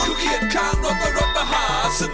คือเหยียดข้างรถและรถมหาสนุก